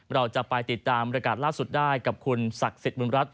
เราจะไปติดตามรายการล่อสุดได้กับคุณศักดีสิริร